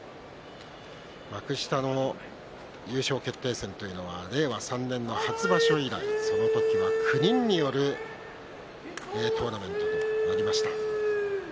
幕下の優勝決定戦というのは令和３年の初場所以来のその時は９人によるトーナメントとなりました。